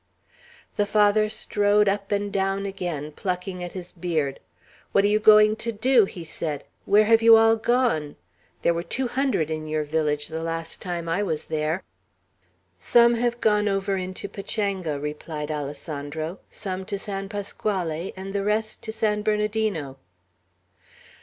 The Father strode up and down again, plucking at his beard. "What are you going to do?" he said. "Where have you all gone? There were two hundred in your village the last time I was there." "Some have gone over into Pachanga," replied Alessandro, "some to San Pasquale, and the rest to San Bernardino."